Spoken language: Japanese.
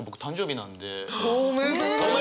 おめでとうございます！